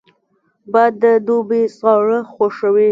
باد د دوبي ساړه خوښوي